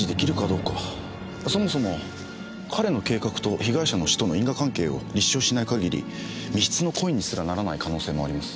そもそも彼の計画と被害者の死との因果関係を立証しない限り未必の故意にすらならない可能性もあります。